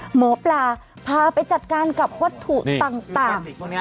หมอปลาพาไปจัดการกับวัตถุต่าง